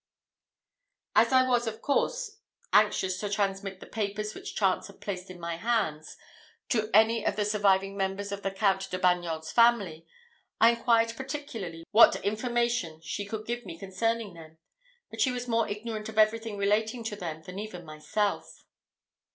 As I was, of course, anxious to transmit the papers which chance had placed in my hands, to any of the surviving members of the Count de Bagnols' family, I inquired particularly what information she could give me concerning them; but she was more ignorant of everything relating to them than even myself.